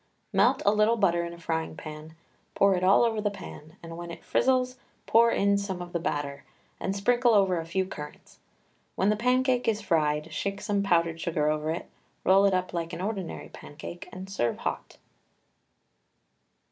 Melt a little butter in a frying pan, pour it all over the pan, and when it frizzles, pour in some of the batter, and sprinkle over a few currants; when the pancake is fried, shake some powdered sugar over it, roll it up like an ordinary pancake, and serve hot.